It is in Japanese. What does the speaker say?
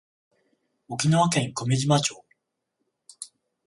沖縄県久米島町